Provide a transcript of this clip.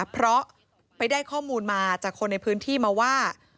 เพราะไปได้ข้อมูลมาจากคนในพื้นที่มาว่า